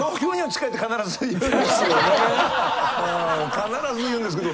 必ず言うんですけど。